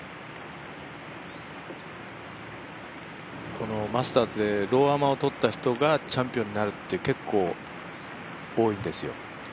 このマスターズでローアマをとった人がチャンピオンになるって結構、多いんですよ。